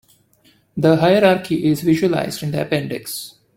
The hierarchy is visualized in the appendix.